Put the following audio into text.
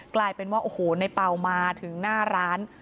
กลายเป็นว่าโอ้โหในเป่ามาถึงหน้าร้าน